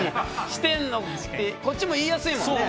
こっちも言いやすいもんね。